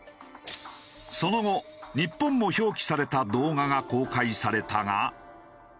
その後日本も表記された動画が公開されたが。